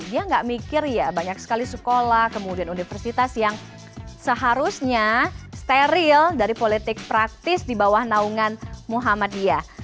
dia nggak mikir ya banyak sekali sekolah kemudian universitas yang seharusnya steril dari politik praktis di bawah naungan muhammadiyah